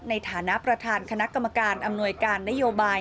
ในฐานะประธานคณะกรรมการอำนวยการนโยบาย